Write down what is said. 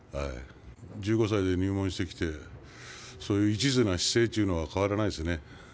１５歳で入門してきてそういういちずな姿勢は変わらないですね。